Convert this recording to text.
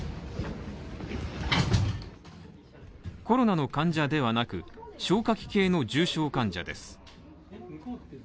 コロナの患者ではなく、消化器系の重症患者です。